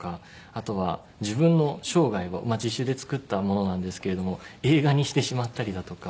あとは自分の生涯をまあ自主で作ったものなんですけれども映画にしてしまったりだとか。